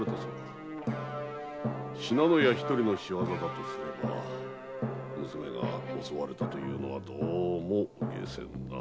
信濃屋一人の仕業とすれば娘が襲われたのはどうも解せんな。